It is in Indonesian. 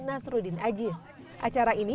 nasruddin ajis acara ini